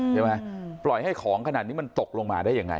ปล่อยให้ของขนาดนี้มันตกลงมาได้ยังไง